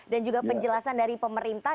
dan juga penjelasan dari pemerintah